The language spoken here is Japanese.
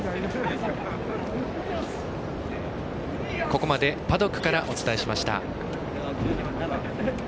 ここまでパドックからお伝えしました。